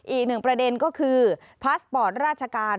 อีกหนึ่งประเด็นก็คือพาสปอร์ตราชการ